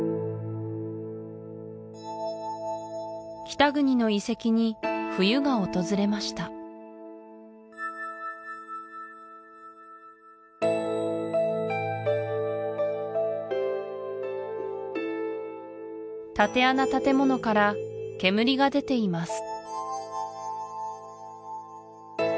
北国の遺跡に冬が訪れました竪穴建物から煙が出ています